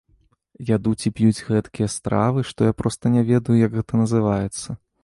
Ядуць і п'юць гэткія стравы, што я проста не ведаю, як гэта называецца.